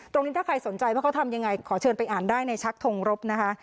ตรงนี้ถ้าใครสนใจว่าเขาทำยังไงขอเชิญไปอ่านได้ในชักทงรบนะคะ